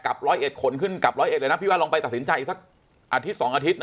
กลับ๑๐๑คนขึ้นกับ๑๐๑แล้วพี่ว่าลองไปตัดสินใจอาทิตย์๒อาทิตย์